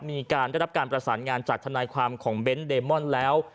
ได้รับการประสานงานจากทนายความของเบนท์เดมอนแล้ว